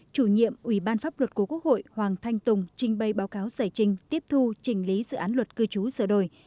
chủ nhiệm ủy ban pháp luật của quốc hội hoàng thanh tùng trình bày báo cáo giải trình tiếp thu trình lý dự án luật cư trú sửa đổi